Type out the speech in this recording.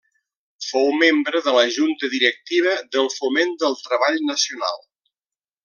Fou membre de la junta directiva de Foment del Treball Nacional.